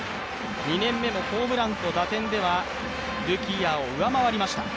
２年目もホームランと打点ではルーキーイヤーを上回りました。